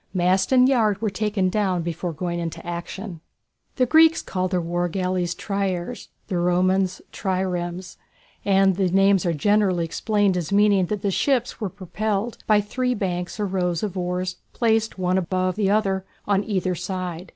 Mast and yard were taken down before going into action. The Greeks called their war galleys triêres, the Romans triremes, and these names are generally explained as meaning that the ships were propelled by three banks or rows of oars placed one above the other on either side.